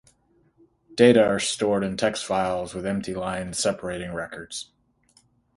Data are stored in text files with empty lines separating records.